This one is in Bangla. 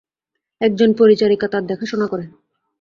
একজন পরিচারিকা তার দেখাশোনা করে।